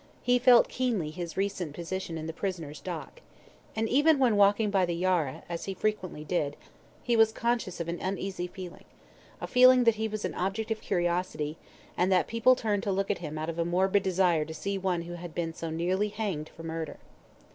He felt keenly his recent position in the prisoner's dock. And even when walking by the Yarra, as he frequently did, he was conscious of an uneasy feeling a feeling that he was an object of curiosity, and that people turned to look at him out of a morbid desire to see one who had been so nearly hanged for murder.